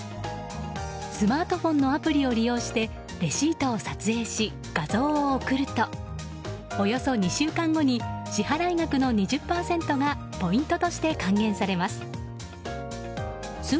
スマートフォンのアプリを利用して、レシートを撮影し画像を送ると、およそ２週間後に支払額の２０％がポイントとして還元されます。